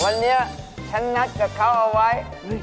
วันนี้ฉันนัดกับเขาเอาไว้